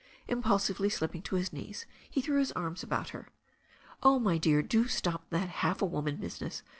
Im pulsively slipping to his knees, he threw his arms about lier. "Oh, my dear, do stop that half a woman business.